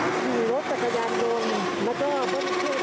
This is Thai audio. และก็เพื่อช่วยที่ที่จะขุมบันไดแบบนี้